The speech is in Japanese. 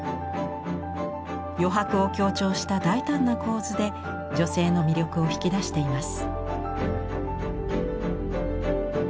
余白を強調した大胆な構図で女性の魅力を引き出しています。